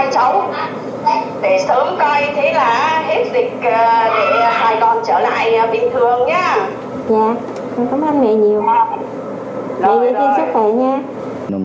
có nhớ mẹ nhiều không